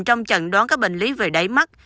trong trận đoán các bệnh lý về đáy mắt